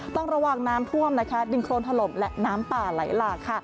ต้องระวังน้ำท่วมนะคะดินโครนถล่มและน้ำป่าไหลหลากค่ะ